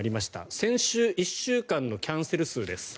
先週１週間のキャンセル数です。